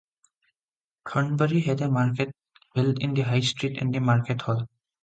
Thornbury had a market held in the high street and the market hall.